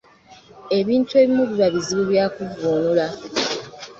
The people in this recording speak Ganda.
Ebintu ebimu biba bizibu bya kuvvuunula.